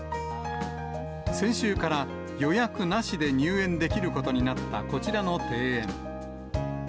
先週から予約なしで入園できることになったこちらの庭園。